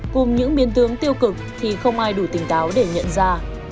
cùng những biến tướng tiêu cực thì không ai đủ tỉnh táo để nhận ra